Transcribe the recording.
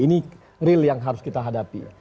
ini real yang harus kita hadapi